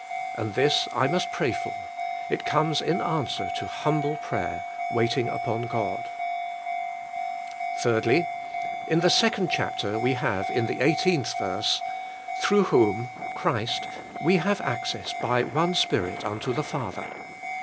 And this I must pray for; it comes in answer to humble prayer, wait ing upon God. 3. In the 2nd chapter we have, in the 18th verse, "Through whom (Christ) we have access by one Spirit unto the Father."